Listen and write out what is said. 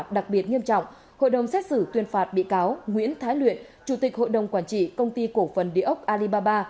đặc biệt nghiêm trọng hội đồng xét xử tuyên phạt bị cáo nguyễn thái luyện chủ tịch hội đồng quản trị công ty cổ phần địa ốc alibaba